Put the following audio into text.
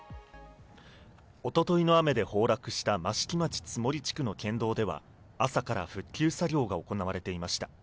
おとといの雨で崩落した益城町津森地区の県道では朝から復旧作業が行われていました。